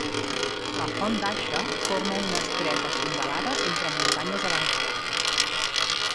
La Font d'Aixa forma una estreta fondalada entre muntanyes abancalades.